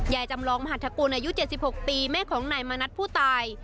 ใหญ่จำลองมหาดทะกูนอายุเจ็ดสิบหกปีแม่ของไหนมณัฐผู้ตาย